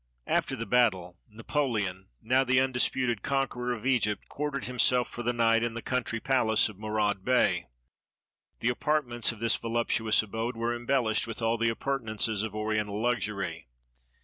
After the battle, Napoleon, now the undisputed con queror of Egypt, quartered himself for the night in the country palace of Mourad Bey. The apartments of this voluptuous abode were embelHshed with all the appur tenances of Oriental luxury.